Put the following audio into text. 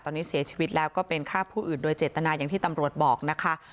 ตอนนี้เสียชีวิตแล้วก็เป็นฆ่าผู้อื่นโดยเจตนาอย่างที่ตำรวจบอกนะคะ